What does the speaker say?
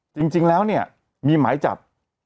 จริงแล้วเนี่ยมีหมายจับ